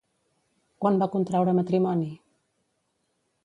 Quan va contraure matrimoni?